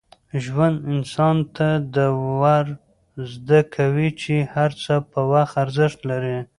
ژوند انسان ته دا ور زده کوي چي هر څه په وخت ارزښت لري.